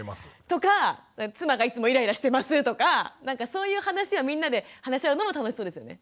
とか妻がいつもイライラしてますとかなんかそういう話をみんなで話し合うのも楽しそうですよね。